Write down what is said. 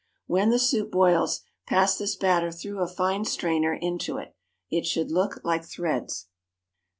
When the soup boils, pass this batter through a fine strainer into it. It should look like threads.